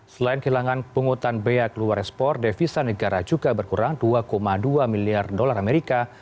selain kehilangan penghutan bea keluar ekspor devisa negara juga berkurang dua dua miliar dolar amerika